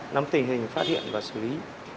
nắm tình hình phát hiện và xử lý